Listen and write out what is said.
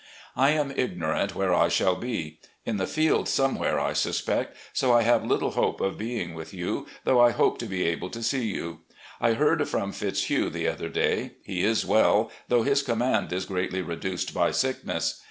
I am ignorant where I shall be. In the field somewhere, I suspect, so I have little hope of being with you, though I hope to be able to see you. ... I heard from Fitz hugh the other day. He is well, though his command is greatly reduced by sickness.